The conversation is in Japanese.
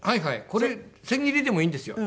これ千切りでもいいんですよ。